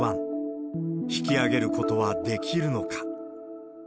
引き揚げることはできるのか。